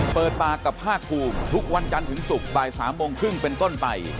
เปิดตากับห้าภูมิทุกวันกันถึงศุกร์บ่ายสามโมงครึ่งเป็นต้นไป